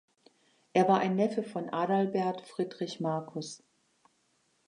Er war ein Neffe von Adalbert Friedrich Marcus.